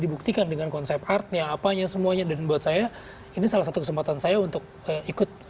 dibuktikan dengan konsep artnya apanya semuanya dan buat saya ini salah satu kesempatan saya untuk ikut